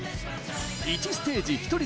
１ステージ１人